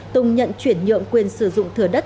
tùng nhận chuyển nhượng quyền sử dụng thừa đất